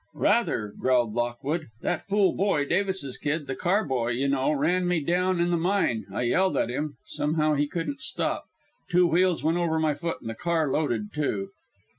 "Rather," growled Lockwood. "That fool boy, Davis's kid the car boy, you know ran me down in the mine. I yelled at him. Somehow he couldn't stop. Two wheels went over my foot and the car loaded, too."